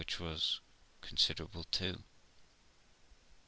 which was considerable too.